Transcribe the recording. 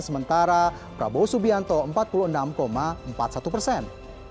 sementara prabowo subianto empat puluh enam empat puluh satu persen